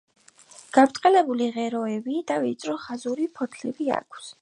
გაბრტყელებული ღეროები და ვიწრო ხაზური ფოთლები აქვს.